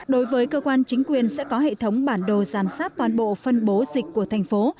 đối với cơ quan chính quyền sẽ có hệ thống bản đồ giám sát toàn bộ phân bố dịch của thành phố